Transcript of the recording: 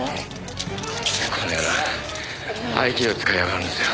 この野郎合気道を使いやがるんですよ。